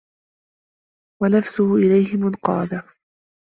وَنَفْسُهُ إلَيْهِ مُنْقَادَةٌ